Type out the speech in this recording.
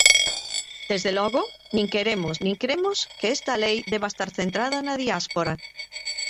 Desde logo, nin queremos nin cremos que esta lei deba estar centrada na diáspora.